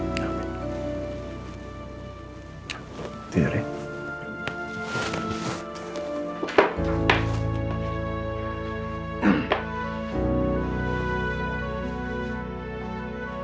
ganti hari ini